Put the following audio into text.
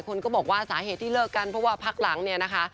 คนก็บอกว่าสาเหตุที่เลิกกันเพราะว่าพักหลังเนี่ยนะคะ